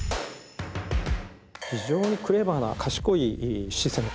非常にクレバーな、賢いシステム。